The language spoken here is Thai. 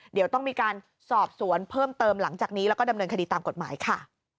เดี๋ยวต้องมีการสอบสวนเพิ่มเติมหลังจากนี้แล้วก็ดำเนินคดีตามกฎหมายค่ะ